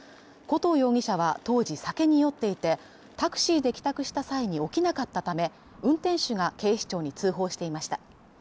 古東容疑者は当時、酒に酔っていてタクシーで帰宅した際に起きなかったため、運転手が警視庁に通報していました。